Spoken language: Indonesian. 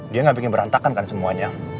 dia gak bikin berantakan kan semuanya